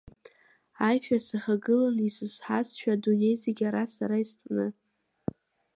Аишәа сахагылан исызҳазшәа, адунеи зегь ара сара истәны.